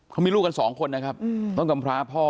เขามีลูกกันสองคนนะครับต้องกำพร้าพ่อ